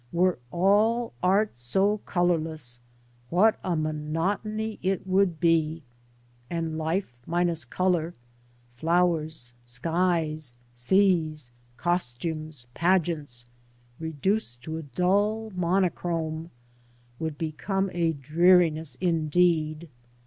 Were all art so colourless, what a monotony it would be; and Life minus colour — flowers, skies, seas, costumes, pageants, reduced to dull monochrome — ^would become a dreariness indeed.